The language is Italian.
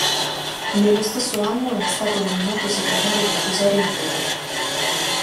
Nello stesso anno è stato nominato Segretario del Tesoro junior.